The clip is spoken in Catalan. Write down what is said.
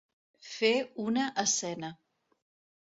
Fer una escena.